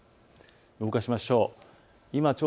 動かしましょう。